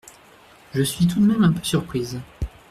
Je suis tout de même un peu surprise.